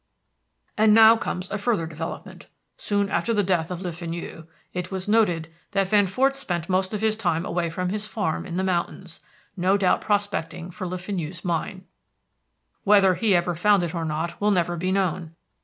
"And now comes a further development. Soon after the death of Le Fenu, it was noted that Van Fort spent most of his time away from his farm in the mountains, no doubt prospecting for Le Fenu's mine. Whether he ever found it or not will never be known.